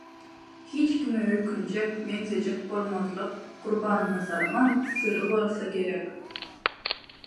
hiç kime öýkünjek, meňzejek bolmazlyk Gurbannazaryňam syry bolsa gerek.